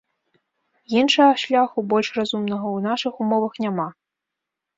Іншага шляху, больш разумнага, у нашых умовах няма.